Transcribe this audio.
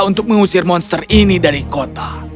untuk mengusir monster ini dari kota